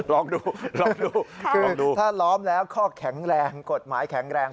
ลองดูลองดูถ้าล้อมแล้วข้อแข็งแรงกฎหมายแข็งแรง